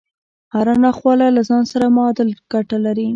هره ناخواله له ځان سره معادل ګټه لري